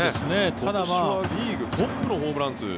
今年はリーグトップのホームラン数。